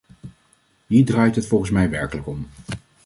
Hier draait het volgens mij werkelijk om.